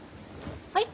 はい？